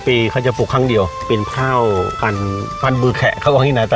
ปีเขาจะปลูกครั้งเดียวเป็นข้าวพันธุ์พันธุ์บื้อแขะเขาก็ว่าอย่างงี้น่ะ